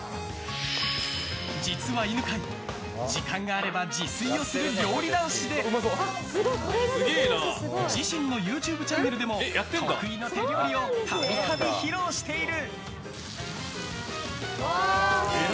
実は犬飼、時間があれば自炊をする料理男子で自身のＹｏｕＴｕｂｅチャンネルでも得意の手料理を度々披露している。